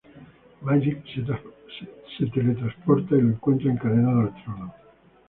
Magik se teletransporta y lo encuentra encadenado al trono.